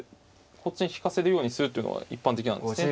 こっちに引かせるようにするっていうのが一般的なんですね。